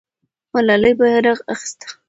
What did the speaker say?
ملالۍ بیرغ اخیسته.